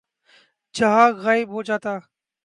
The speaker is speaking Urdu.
جھاگ غائب ہو جاتی